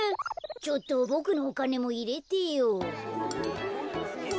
ちょっとボクのおかねもいれてよ。